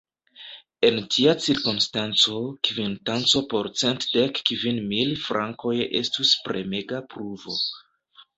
En tia cirkonstanco, kvitanco por cent dek kvin mil frankoj estus premega pruvo.